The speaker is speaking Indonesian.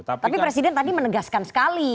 tapi presiden tadi menegaskan sekali